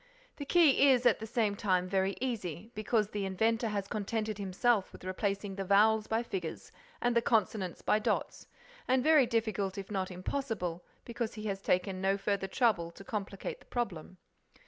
The key is, at the same time, very easy, because the inventor has contented himself with replacing the vowels by figures and the consonants by dots, and very difficult, if not impossible, because he has taken no further trouble to complicate the problem."